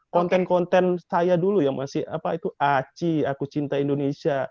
konten konten saya dulu yang masih apa itu aci aku cinta indonesia